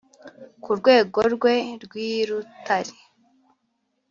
ku rugó rwé rw 'i rutáre